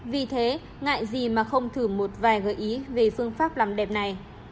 vì thế ngại gì mà không thử một vài gợi ý về phương pháp làm đẹp này